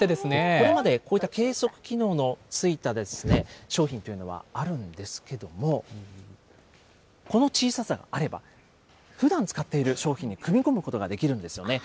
これまでこういった計測機能の付いた商品というのはあるんですけども、この小ささがあれば、ふだん使っている商品に組み込むことができるんですよね。